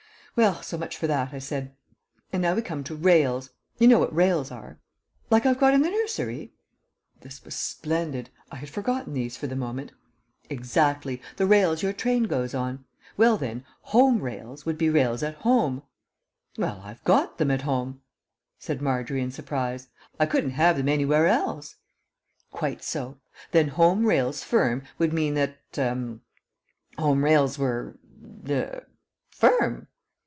"Well, so much for that," I said. "And now we come to 'rails.' You know what rails are?" "Like I've got in the nursery?" This was splendid. I had forgotten these for the moment. "Exactly. The rails your train goes on. Well then, 'Home Rails' would be rails at home." "Well, I've got them at home," said Margery in surprise. "I couldn't have them anywhere else." "Quite so. Then 'Home Rails Firm' would mean that er home rails were er firm."